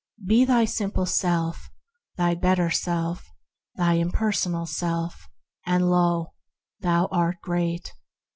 Be thy simple self, thy better self, thine impersonal self, and lo! thou art great.